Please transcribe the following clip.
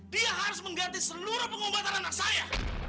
dia harus mengganti seluruh pengobatan anak saya